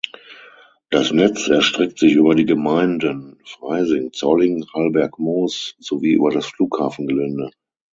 Das Netz erstreckt sich über die Gemeinden Freising, Zolling, Hallbergmoos sowie über das Flughafengelände.